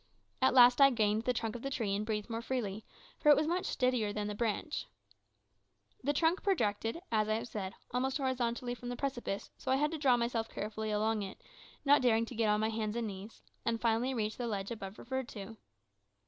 At last I gained the trunk of the tree and breathed more freely, for it was much steadier than the branch. The trunk projected, as I have said, almost horizontally from the precipice, so I had to draw myself carefully along it, not daring to get on my hands and knees, and finally reached the ledge above referred to.